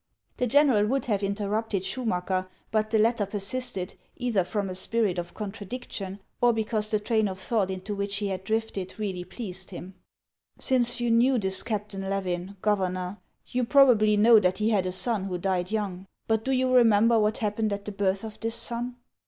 The general would have interrupted Schumacker; but the latter persisted, either from a spirit of contradiction, or because the train of thought into which he had drifted really pleased him. HAXS OF ICELAND. 265 "Since you knew this Captain Levin, Governor, you probably know that he had a son who died young. But do you remember what happened at the birth of this son